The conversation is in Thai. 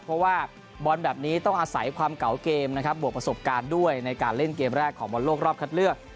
เพราะว่าบอลแบบนี้ต้องอาศัยความเก่าเกมนะครับบวกประสบการณ์ด้วยในการเล่นเกมแรกของบอลโลกรอบคัดเลือก